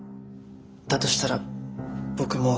だとしたら僕もう。